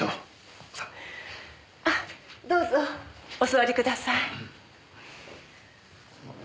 あどうぞお座りください。